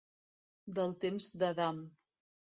Del temps d'Adam.